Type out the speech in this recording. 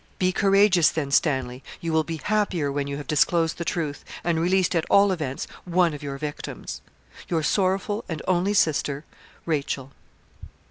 Be courageous then, Stanley; you will be happier when you have disclosed the truth, and released, at all events, one of your victims. 'Your sorrowful and only sister, 'RACHEL.'